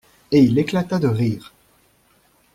Et il éclata de rire.